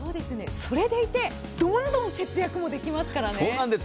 それでいて、どんどん節約もできますからね。